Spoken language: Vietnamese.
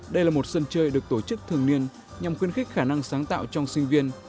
đây là một sân chơi được tổ chức thường niên nhằm khuyến khích khả năng sáng tạo trong sinh viên